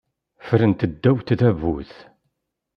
Ffrent ddaw tdabut.